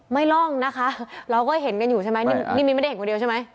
ร่องนะคะเราก็เห็นกันอยู่ใช่ไหมนี่มีไม่ได้เห็นคนเดียวใช่ไหม